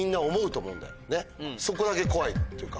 そこだけ怖いっていうか。